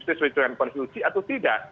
sesuai dengan konstitusi atau tidak